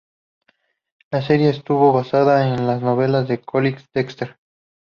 La serie estuvo basada en las novelas de Colin Dexter.